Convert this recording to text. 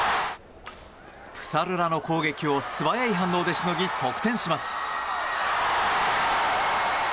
プサルラの攻撃を素早い反応でしのぎ得点します。